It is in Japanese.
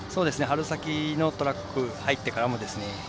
先ほどのトラック入ってからですね